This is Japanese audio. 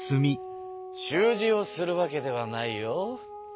習字をするわけではないよ。